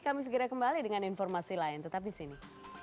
kami segera kembali dengan informasi lain tetap di sini